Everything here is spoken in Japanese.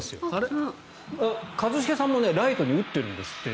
一茂さんもライトに打ってるんですって。